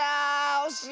おしい。